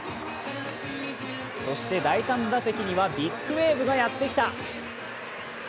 そして第３打席には、ビッグウェーブがやってきた。